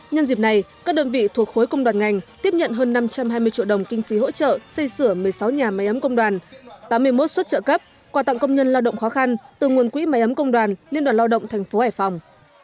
nhân dịp này các đơn vị thuộc khối công đoàn ngành tiếp nhận hơn năm trăm hai mươi triệu đồng kinh phí hỗ trợ xây sửa một mươi sáu nhà máy ấm công đoàn tám mươi một xuất trợ cấp quà tặng công nhân lao động khó khăn từ nguồn quỹ máy ấm công đoàn liên đoàn lao động tp hải phòng